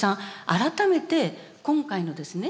改めて今回のですね